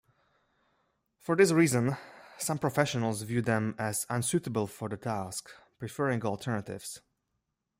For this reason, some professionals view them as unsuitable for the task, preferring alternatives.